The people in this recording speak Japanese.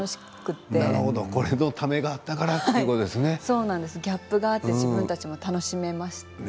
このためがあったからギャップが自分たちも楽しめましたね。